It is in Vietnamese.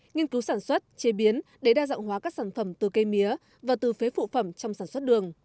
nghiên cứu sản xuất chế biến để đa dạng hóa các sản phẩm từ cây mía và từ phế phụ phẩm trong sản xuất đường